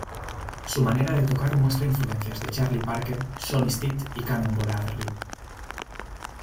Su manera de tocar muestra influencias de Charlie Parker, Sonny Stitt y Cannonball Adderley.